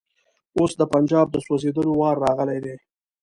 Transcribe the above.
اوس د پنجاب د سوځېدلو وار راغلی دی.